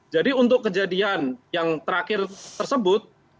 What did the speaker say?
jadi untuk kejadian yang terakhir tersebut